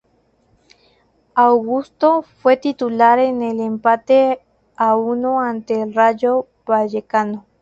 Augusto fue titular en el empate a uno ante el Rayo Vallecano.